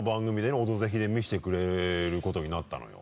「オドぜひ」で見せてくれることになったのよ？